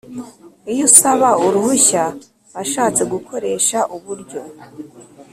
Iyo usaba uruhushya ashatse gukoresha uburyo